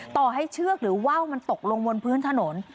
ต่อให้เชือกหรือว่าวมันตกลงบนพื้นถนน